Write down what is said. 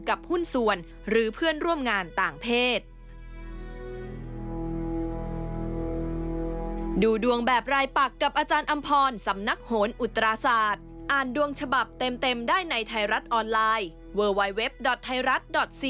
หุ้นส่วนหรือเพื่อนร่วมงานต่างเพศ